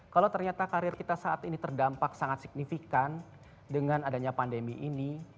kalau ternyata karir kita saat ini terdampak sangat signifikan dengan adanya pandemi ini